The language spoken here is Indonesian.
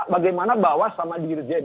bagaimana bawah sama dirjen